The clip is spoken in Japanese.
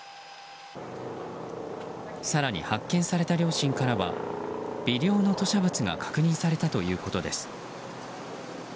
更に発見された両親からは微量の吐しゃ物が確認されたということです。